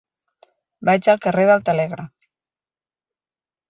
Vaig al carrer del Telègraf.